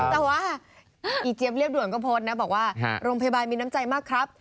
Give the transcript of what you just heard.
แต่ว่าอีเจี๊ยบเรียบด่วนก็โพสต์นะบอกว่าโรงพยาบาลมีน้ำใจมากครับ